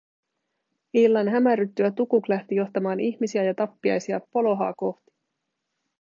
Illan hämärryttyä Tukuk lähti johtamaan ihmisiä ja tappiaisia Polohaa kohti.